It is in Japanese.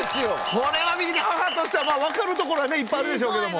これはミキティー母としては分かるところはねいっぱいあるでしょうけども。